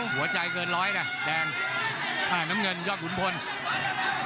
หัวใจเกินร้อยนะแดงอ่าน้ำเงินยอดขุนพล